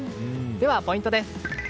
では、ポイントです。